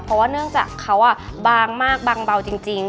เพราะว่าเนื่องจากเขาบางมากบางเบาจริง